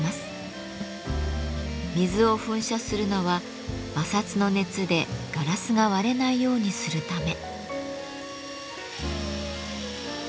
水を噴射するのは摩擦の熱でガラスが割れないようにするため。